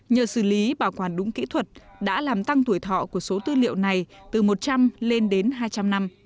nhờ xử lý bảo quản đúng kỹ thuật đã làm tăng tuổi thọ của số tư liệu này từ một trăm linh lên đến hai trăm linh năm